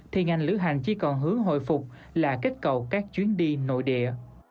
thì ngành lữ hành chỉ còn hướng hồi phục là kết cầu các chuyến đi nội địa